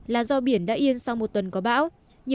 là do biển đã yên sau một tuần có bão